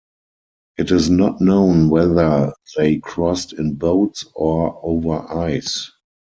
It is not known whether they crossed in boats or over ice.